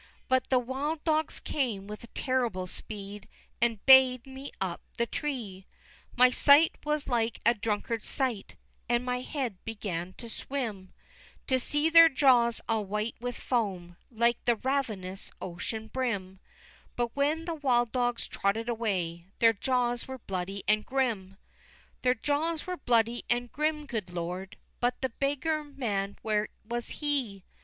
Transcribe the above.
But the wild dogs came with terrible speed, And bay'd me up the tree! XXXII. My sight was like a drunkard's sight, And my head began to swim, To see their jaws all white with foam, Like the ravenous ocean brim; But when the wild dogs trotted away Their jaws were bloody and grim! XXXIII. Their jaws were bloody and grim, good Lord! But the beggar man, where was he?